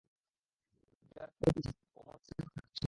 পূজা, রোহান থেকে দূরে থেকো, ও মন চুরি করতে পছন্দ করে।